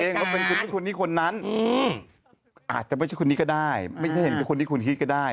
อย่าไปคิดกันเองว่าเป็นคนนี้คนนั้นอาจจะไม่ใช่คนนี้ก็ได้ไม่ใช่คนที่คุณคิดก็ได้